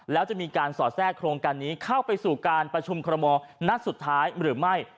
แล้วจะมีการสอดแทรกโครงการนี้เข้าไปสู่การประชุมคอรมอลนัดสุดท้ายหรือไม่